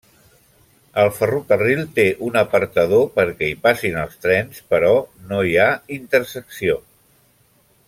El ferrocarril té un apartador perquè hi passin els trens, però no hi ha intersecció.